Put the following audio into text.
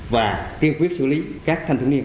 và tiêu quyết xử lý các thân thương niên